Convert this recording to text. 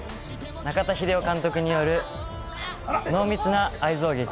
中田秀夫監督による濃密な愛憎劇。